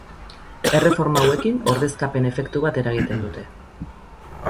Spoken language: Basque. Erreforma hauekin ordezkapen-efektu bat eragiten dute.